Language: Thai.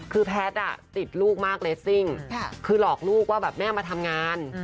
คือแพทย์ติดลูกมากเรสซิ่งคือหลอกลูกว่าแบบแม่มาทำงาน